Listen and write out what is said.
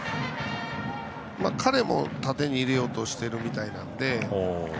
彼も縦に入れようとしているみたいなので。